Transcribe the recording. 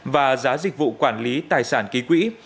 và giá dịch vụ quản lý tài sản ký quỹ